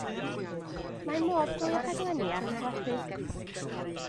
Mae modd gwylio rhaglenni ar y teledu.